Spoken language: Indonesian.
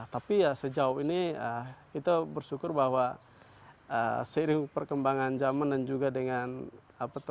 tapi ya sejauh ini kita bersyukur bahwa seiring perkembangan zaman dan juga dengan apa